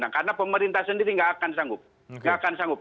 karena pemerintah sendiri nggak akan sanggup